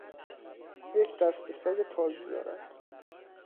او یک دسته سگ تازی دارد.